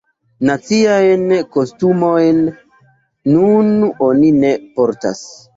Naciajn kostumojn nun oni ne portas.